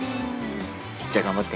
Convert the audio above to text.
じゃあ頑張って。